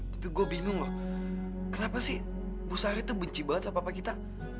tapi gue bingung loh kenapa sih bu sari itu benci banget sama papa kita